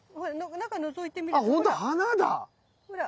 中のぞいてみるとほら。